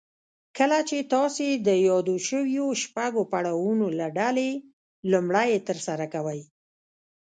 کله چې تاسې د يادو شويو شپږو پړاوونو له ډلې لومړی يې ترسره کوئ.